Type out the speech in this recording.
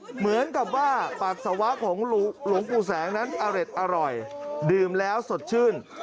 เหมือนกับว่าปัสสาวะของหลวงปู่แสงนั้นอเร็ดอร่อยดื่มแล้วสดชื่น